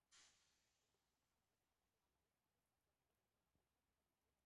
لم يتمكن توم من إخفاء دهشته.